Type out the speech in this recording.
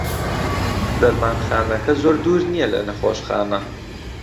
دەرمانخانەکە زۆر دوور نییە لە نەخۆشخانە.